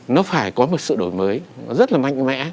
nó phải có một sự đổi mới rất là mạnh mẽ